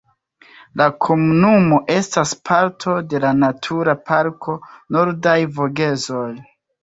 La komunumo estas parto de la Natura Parko Nordaj Vogezoj.